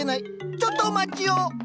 ちょっとお待ちを！